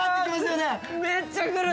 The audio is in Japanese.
めっちゃくる！